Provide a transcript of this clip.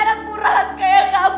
aku kan cerman